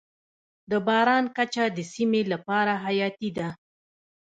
د باران کچه د سیمې لپاره حیاتي ده.